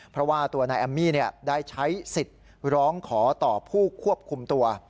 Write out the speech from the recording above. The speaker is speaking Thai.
เพราะว่าตัวนายแอมมี่ได้ใช้สิทธิ์ร้องขอต่อผู้ควบคุมตัว